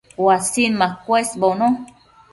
uasin machëshbono